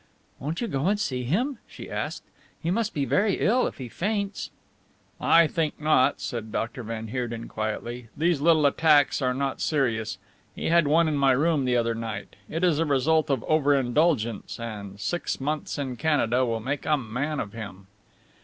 "Won't you go and see him?" she asked. "He must be very ill if he faints." "I think not," said Dr. van Heerden quietly, "these little attacks are not serious he had one in my room the other night. It is a result of over indulgence, and six months in Canada will make a man of him."